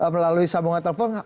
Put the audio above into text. melalui sambungan telepon